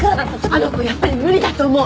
あの子やっぱり無理だと思う。